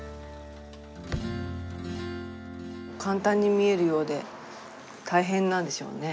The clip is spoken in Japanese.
簡単に見えるようで大変なんですよね？